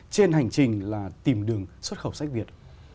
trên hành trình là tìm đường xuất khẩu sách việt